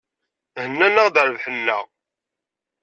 Hennan-aɣ-d rrbeḥ-nneɣ.